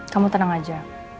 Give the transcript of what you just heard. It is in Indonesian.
kamu tenang aja